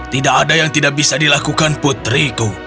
tidak ada yang tidak bisa dilakukan putriku